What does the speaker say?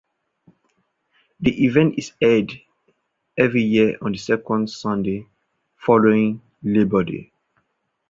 The event is held every year on the second Sunday following Labour Day.